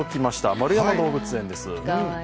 円山動物園です。